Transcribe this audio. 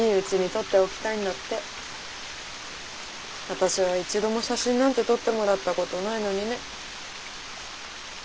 私は一度も写真なんて撮ってもらったことないのにね。